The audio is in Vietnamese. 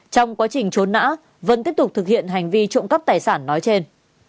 trong quá trình trốn nã vân tiếp tục thực hiện hành vi trộm cắp tài sản nói trên